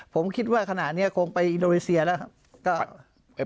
ผมคิดว่าขนาดนี้คงไปอินโดรีเซียแล้ว